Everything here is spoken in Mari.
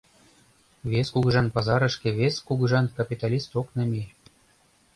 Вес кугыжан пазарышке вес кугыжан капиталист ок намие.